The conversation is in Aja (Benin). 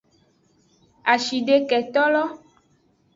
Ashideketolo.